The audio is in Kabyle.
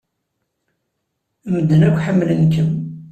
Medden akk ḥemmlen-kem.